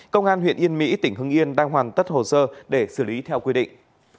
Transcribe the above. công an huyện yên mỹ tỉnh hưng yên đang hoàn tất hồ sơ để xử lý theo quy định